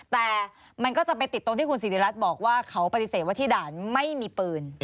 แต่มันก็จะไปติดตรงที่คุณศิริรัตน์บอกว่าเขาปฏิเสธว่าที่ด่านไม่มีปืน